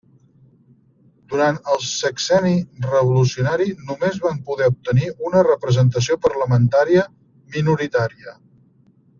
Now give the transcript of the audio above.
Durant el sexenni revolucionari només van poder obtenir una representació parlamentària minoritària.